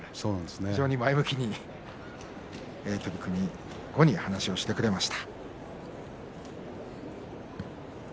非常に前向きに取組後に話をしてくれました。